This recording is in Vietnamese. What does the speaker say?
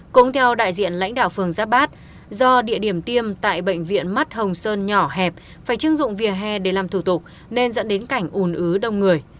cũng theo đại diện lãnh đạo phường giáp bát do địa điểm tiêm tại bệnh viện mắt hồng sơn nhỏ hẹp phải chưng dụng vỉa hè để làm thủ tục nên dẫn đến cảnh ùn ứ đông người